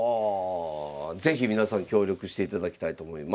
是非皆さん協力していただきたいと思います。